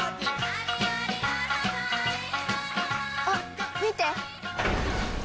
あっ見て！